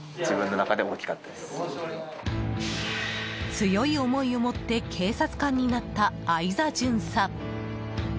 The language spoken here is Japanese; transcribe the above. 強い思いを持って警察官になった相座巡査。